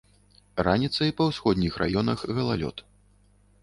Раніцай па ўсходніх раёнах галалёд.